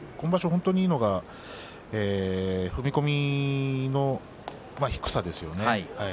本当にいいのが踏み込みの低さですね。